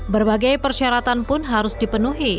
berbagai persyaratan pun harus dipenuhi